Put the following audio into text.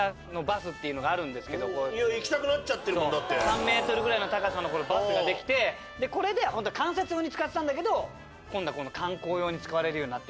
３ｍぐらいの高さのバスが出来てこれでほんとは観察用に使ってたんだけど今度は観光用に使われるようになって。